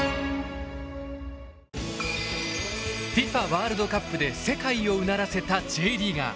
ワールドカップで世界をうならせたＪリーガー。